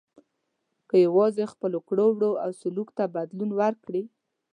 که یوازې خپلو کړو وړو او سلوک ته بدلون ورکړي.